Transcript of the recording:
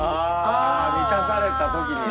ああ満たされた時にね。